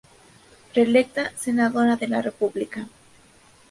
Reelecta Senadora de la República.